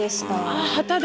あっ旗だ。